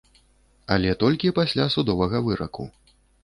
Але толькі пасля судовага выраку.